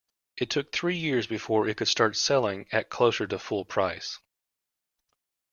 It took three years before it could start selling at closer to full price.